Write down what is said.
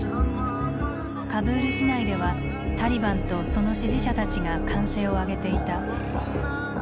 カブール市内ではタリバンとその支持者たちが歓声を上げていた。